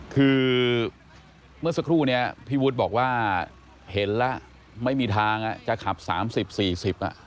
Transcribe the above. คือเมื่อสักครู่นี้พี่วุฒิบอกว่าเห็นแล้วไม่มีทางอ่ะจะขับสามสิบสี่สิบอ่ะ